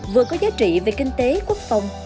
vừa có giá trị về kinh tế quốc phòng